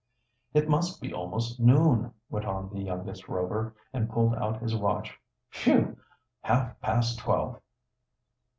"It must be almost noon," went on the youngest Rover, and pulled out his watch. "Phew! Half past twelve!"